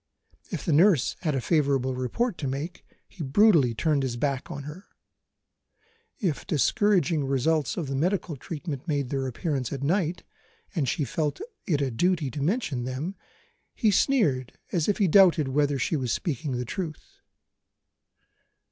If the nurse had a favourable report to make, he brutally turned his back on her. If discouraging results of the medical treatment made their appearance at night, and she felt it a duty to mention them, he sneered as if he doubted whether she was speaking the truth.